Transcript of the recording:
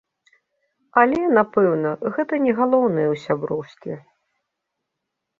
Але, напэўна, гэта не галоўнае ў сяброўстве.